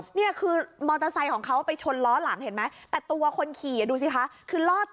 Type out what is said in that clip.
เนี่ยคือมอเตอร์ไซค์ของเขาไปชนล้อหลังเห็นไหมแต่ตัวคนขี่ดูสิคะคือรอด